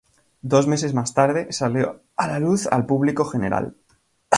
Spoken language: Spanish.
Dos meses más tarde, salió a la luz al público general.